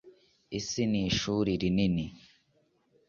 isi nishuri rinini